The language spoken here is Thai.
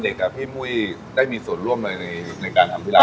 ตอนเด็กพี่มุ้ยได้มีส่วนร่วมอะไรในการทำที่ร้าน